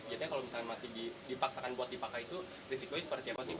sejadinya kalau misalkan masih dipaksakan buat dipakai itu risikonya seperti apa